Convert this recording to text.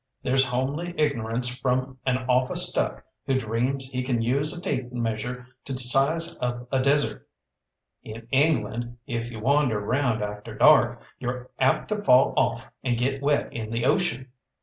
There's homely ignorance from an office duck who dreams he can use a tape measure to size up a desert. In England, if you wander round after dark, you're apt to fall off and get wet in the ocean.